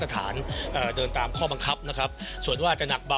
แล้วก็กำหนดทิศทางของวงการฟุตบอลในอนาคต